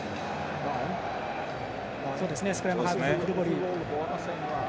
スクラムハーフのクルボリ。